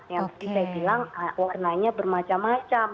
yang saya bilang warnanya bermacam macam